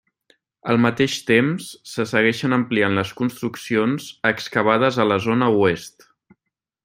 Al mateix temps se segueixen ampliant les construccions excavades a la zona oest.